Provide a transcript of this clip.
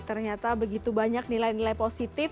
ternyata begitu banyak nilai nilai positif